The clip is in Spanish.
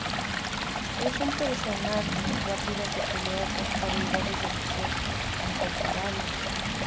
Es una personaje rápida que pelea con sus habilidades de boxeo incomparables.